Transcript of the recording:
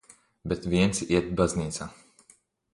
Bet viens iet baznīcā.